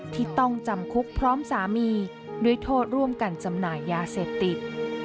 ที่ต้องจำคุกพร้อมสามีด้วยโทษร่วมกันจำหน่ายยาเสพติด